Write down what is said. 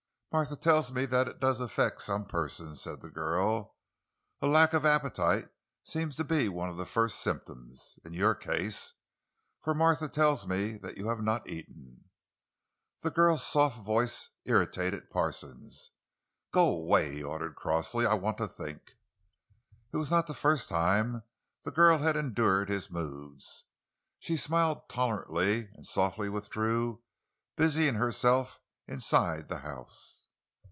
"Martha tells me that it does affect some persons," said the girl. "And lack of appetite seems to be one of the first symptoms—in your case. For Martha tells me you have not eaten." The girl's soft voice irritated Parsons. "Go away!" he ordered crossly; "I want to think!" It was not the first time the girl had endured his moods. She smiled tolerantly, and softly withdrew, busying herself inside the house.